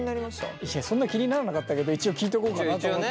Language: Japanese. いやそんな気にならなかったけど一応聞いとこうかなと思って。